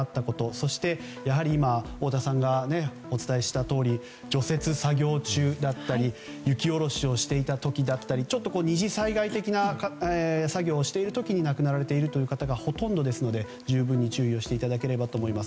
そして、今、太田さんがお伝えしたとおり除雪作業中だったり雪下ろしをしていた時だったりちょっと２次災害的な作業をしている時に亡くなられているという方がほとんどですので十分に注意をしていただければと思います。